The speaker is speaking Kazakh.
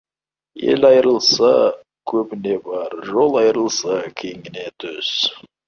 Ел айырылса, көбіне бар, жол айырылса, кеңіне түс.